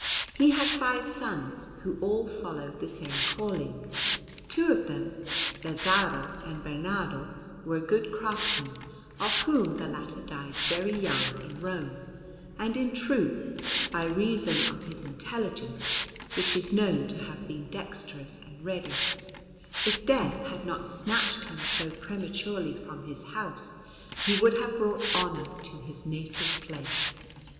He had five sons, who all followed the same calling; two of them, Lazzaro and Bernardo, were good craftsmen, of whom the latter died very young in Rome; and in truth, by reason of his intelligence, which is known to have been dexterous and ready, if death had not snatched him so prematurely from his house, he would have brought honour to his native place.